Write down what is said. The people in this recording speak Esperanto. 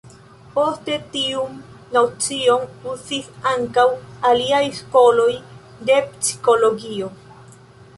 Poste tiun nocion uzis ankaŭ aliaj skoloj de psikologio.